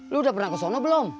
lo udah pernah ke sono belum